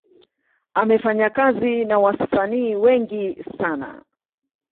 Amefanya kazi na wasanii wengi sana.